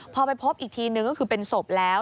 พอไปพบอีกทีนึงก็คือเป็นศพแล้ว